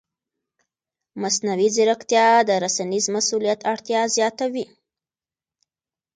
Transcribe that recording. مصنوعي ځیرکتیا د رسنیز مسؤلیت اړتیا زیاتوي.